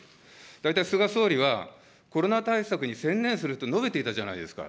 大体菅総理は、コロナ対策に専念すると述べていたじゃないですか。